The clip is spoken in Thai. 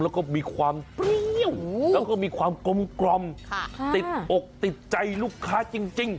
แล้วก็มีความเปรี้ยวแล้วก็มีความกลมติดอกติดใจลูกค้าจริง